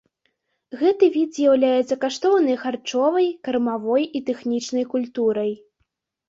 Гэты від з'яўляецца каштоўнай харчовай, кармавой і тэхнічнай культурай.